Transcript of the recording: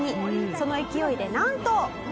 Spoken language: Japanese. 「その勢いでなんと」